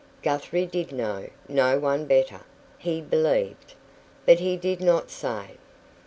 Guthrie did know no one better, he believed. But he did not say.